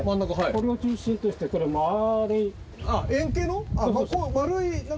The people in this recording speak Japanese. これを中心としてこれ丸い。